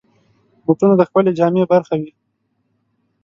بوټونه د ښکلې جامې برخه وي.